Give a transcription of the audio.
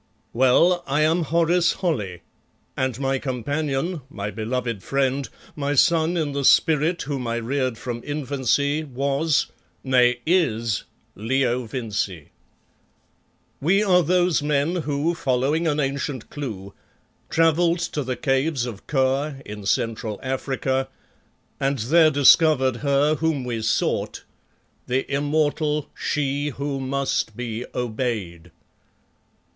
Well, I am Horace Holly, and my companion, my beloved friend, my son in the spirit whom I reared from infancy was nay, is Leo Vincey. We are those men who, following an ancient clue, travelled to the Caves of Kôr in Central Africa, and there discovered her whom we sought, the immortal She who must be obeyed.